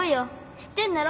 知ってんだろ？